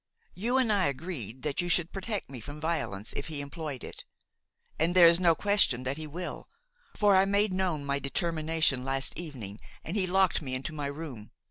You and I agreed that you should protect me from violence if he employed it; there is no question that he will, for I made known my determination last evening and he locked me into my room.